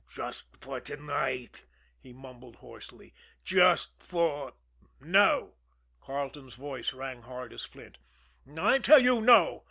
"Just for to night," he mumbled hoarsely. "Just for " "No!" Carleton's voice rang hard as flint. "I tell you, no!